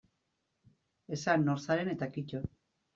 Esan nor zaren eta kito.